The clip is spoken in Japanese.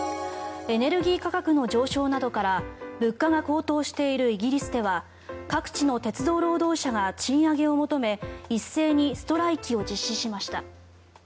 エネルギー価格の上昇などから物価が高騰しているイギリスでは各地の鉄道労働者が賃上げを求め一斉にストライキを実施しました。